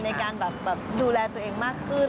ในการแบบดูแลตัวเองมากขึ้น